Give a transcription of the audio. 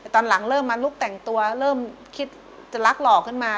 ตอนหลังเริ่มมาลุกแต่งตัวเริ่มคิดจะรักหล่อขึ้นมา